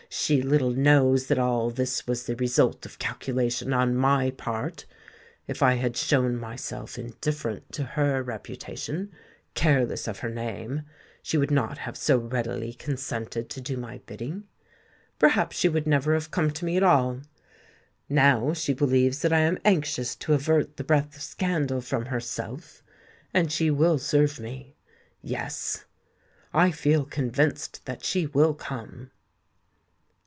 she little knows that all this was the result of calculation on my part! If I had shown myself indifferent to her reputation—careless of her name,—she would not have so readily consented to do my bidding. Perhaps she would never have come to me at all! Now she believes that I am anxious to avert the breath of scandal from herself; and she will serve me: yes—I feel convinced that she will come!"